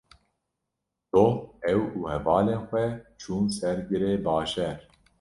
Doh ew û hevalên xwe çûn ser girê bajêr.